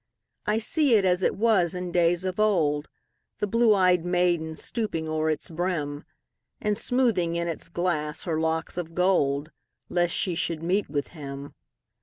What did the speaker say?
I see it as it was in days of old, The blue ey'd maiden stooping o'er its brim, And smoothing in its glass her locks of gold, Lest she should meet with him.